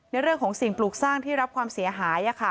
เรื่องของสิ่งปลูกสร้างที่รับความเสียหาย